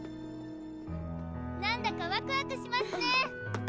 何だかワクワクしますね！